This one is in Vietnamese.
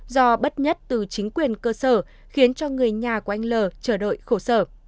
do bất nhất từ chính quyền cơ sở khiến cho người nhà của anh l chờ đợi khổ sở